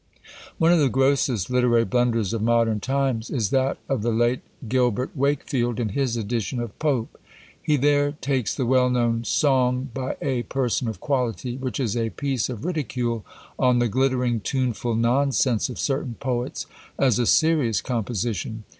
One of the grossest literary blunders of modern times is that of the late Gilbert Wakefield, in his edition of Pope. He there takes the well known "Song by a Person of Quality," which is a piece of ridicule on the glittering tuneful nonsense of certain poets, as a serious composition.